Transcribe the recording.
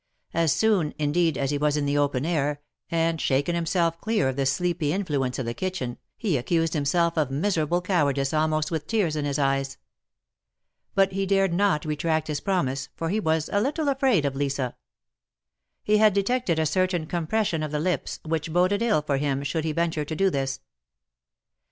As soon, indeed, as he was in the open air, and shaken himself clear of the sleepy influence of the kitchen, he accused himself of miserable cowardice almost with tears in his eyes. But he dared not retract his pro mise, for he was a little afraid of Lisa. He had detected a certain compression of the lips, which boded ill for him should he venture to do this.